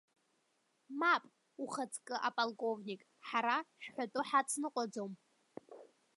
Мап, ухацкы аполковник, ҳара шәҳәатәы ҳацныҟәаӡом.